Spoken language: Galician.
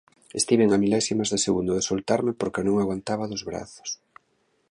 Estiven a milésimas de segundo de soltarme, porque non aguantaba dos brazos.